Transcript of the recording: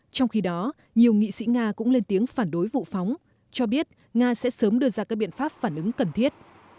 trong khi đó nhiều nghị sĩ nga cũng lên tiếng phản đối vụ phóng cho biết nga sẽ sớm đưa ra các biện pháp phản ứng cần thiết